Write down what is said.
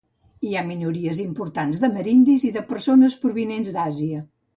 Hi ha minories importants d'amerindis i de persones provinents d'Àsia.